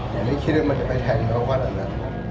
อย่าให้คิดว่ามันจะไปแทนเราว่าอะไรนะ